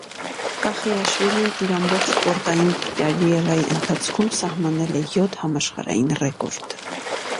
Կախիաշվիլին իր ամբողջ սպորտային կարիերայի ընթացքում սահմանել է յոթ համաշխարհային ռեկորդ։